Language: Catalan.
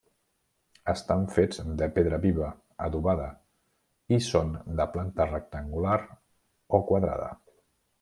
Estan fets de pedra viva adobada i són de planta rectangular o quadrada.